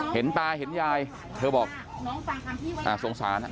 เห็นตาเห็นยายเธอบอกโสงสาน